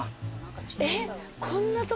えっ！